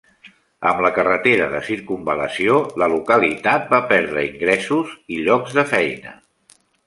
Amb la carretera de circumval·lació, la localitat va perdre ingressos i llocs de feina.